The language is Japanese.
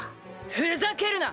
・ふざけるな！